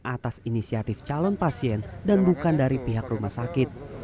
atas inisiatif calon pasien dan bukan dari pihak rumah sakit